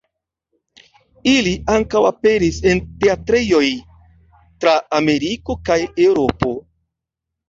Ili ankaŭ aperis en teatrejoj tra Ameriko kaj Eŭropo.